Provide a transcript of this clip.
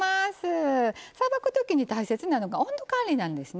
さばくときに大切なのが温度管理なんですね。